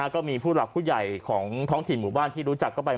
ก็มีผู้หลักผู้ใหญ่ของท้องถิ่นหมู่บ้านที่รู้จักก็ไป